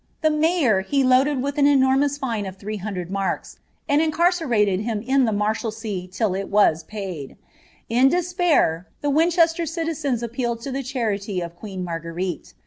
The mayor he loaded with an enormous fine of 300 marks, «nd incarcerated him in the Marshalsea till it was paid. In despair, the Winchester citizens appealed to the charity of queen Marguerite.